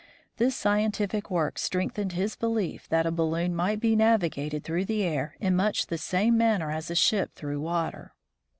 This scientific work strengthened his belief that a balloon might be navigated through the air in much the same manner as a ship through water.